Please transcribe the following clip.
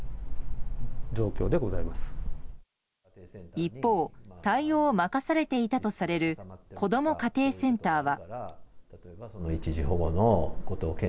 一方対応を任されていたとされる子ども家庭センターは。